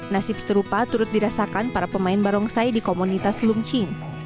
nasib serupa turut dirasakan para pemain barongsai di komunitas lungching